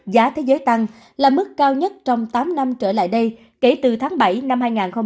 giá thế giới tăng là mức cao nhất trong tám năm trở lại đây kể từ tháng bảy năm hai nghìn hai mươi